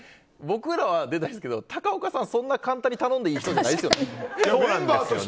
僕らは出たいですけど高岡さん、そんな簡単に頼んでいい人じゃないですよね。